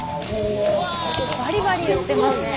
バリバリいってますね。